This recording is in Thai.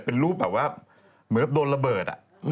เป็นรูปแบบว่าเหมือนโดนระเบิด